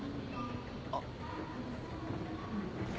あっ。